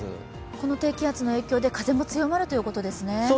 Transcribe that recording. この低気圧の影響で風も強まるということですね。